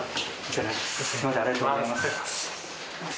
ありがとうございます。